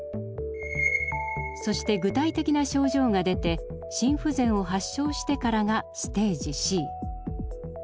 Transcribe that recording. そして具体的な症状が出て心不全を発症してからがステージＣ。